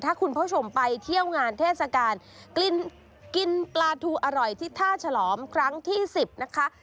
ถ้าคุณผู้ชมไปเที่ยวงานเทศกาลกินปลาทูอร่อยที่ท่าฉลอมครั้งที่๑๐นะคะ